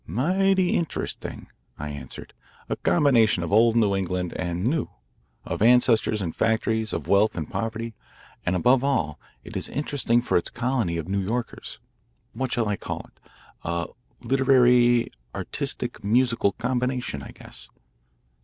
"Mighty interesting," I answered; "a combination of old New England and new, of ancestors and factories, of wealth and poverty, and above all it is interesting for its colony of New Yorkers what shall I call it? a literary artistic musical combination, I guess."